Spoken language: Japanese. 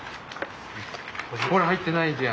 ほら入ってないじゃん。